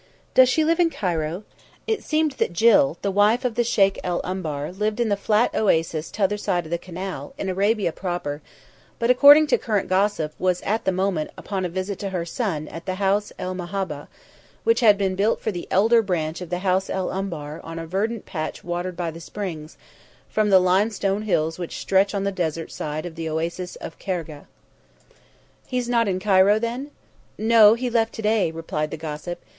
Does she live in Cairo?" It seemed that Jill, the wife of the Sheikh el Umbar, lived in the Flat Oasis t'other side of the Canal, in Arabia proper, but, according to current gossip, was at the moment upon a visit to her son at the House 'an Mahabbha, which had been built for the elder branch of the House el Umbar on a verdant patch watered by the springs, from the limestone hills which stretch on the desert side of the Oasis of Khargegh. "He's not in Cairo, then?" "No; he left to day," replied the gossip.